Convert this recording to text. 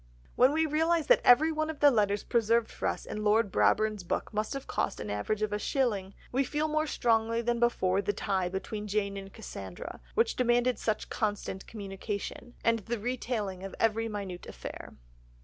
'" When we realise that every one of the letters preserved for us in Lord Brabourne's book must have cost on an average a shilling, we feel more strongly than before the tie between Jane and Cassandra, which demanded such constant communication, and the retailing of every minute affair.